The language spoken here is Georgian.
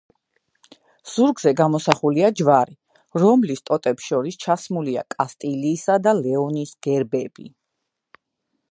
ზურგზე გამოსახულია ჯვარი, რომლის ტოტებს შორის ჩასმულია კასტილიისა და ლეონის გერბები.